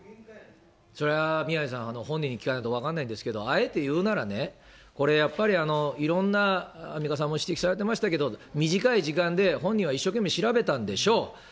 それは宮根さん、本人に聞かないと分からないんですけれども、あえて言うならね、これやっぱり、いろんな、アンミカさんも指摘されてましたけれども、短い時間で本人は一生懸命調べたんでしょう。